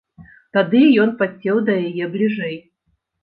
Тады ён падсеў да яе бліжэй.